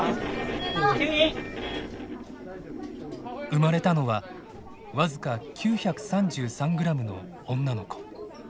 生まれたのは僅か９３３グラムの女の子。